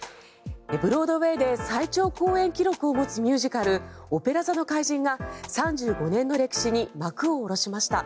ブロードウェイで最長公演記録を持つミュージカル「オペラ座の怪人」が３５年の歴史に幕を下ろしました。